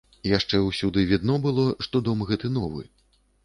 Яшчэ ўсюды відно было, што дом гэты новы.